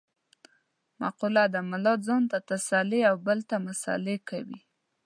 مقوله ده : ملا ځان ته تسلې او بل ته مسعلې کوي.